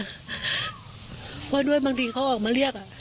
เพราะว่าด้วยบางทีเขาออกมาเรียก